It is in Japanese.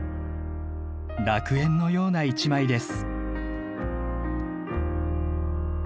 楽園のような一枚です。